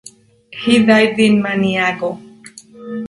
He died in Maniago.